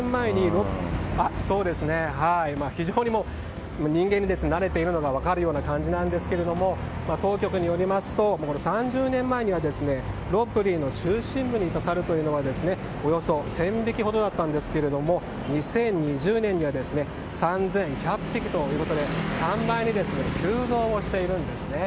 非常に人間に慣れているのが分かる状態ですが当局によりますと３０年前にはロッブリーの中心部にいたサルはおよそ１０００匹ほどだったんですが２０２０年には３１００匹ということで３倍に急増しているんです。